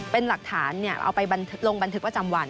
เป็นหลักฐานเอาไปลงบันทึกประจำวัน